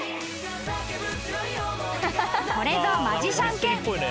［これぞマジシャン犬］